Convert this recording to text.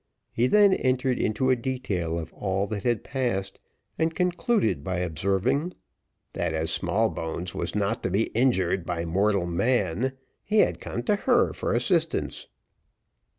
He then entered into a detail of all that had passed, and concluded by observing, "that as Smallbones was not to be injured by mortal man, he had come to her for assistance."